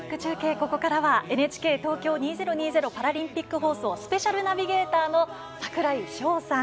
ここからはＮＨＫ２０２０パラリンピック放送スペシャルナビゲーターの櫻井翔さん。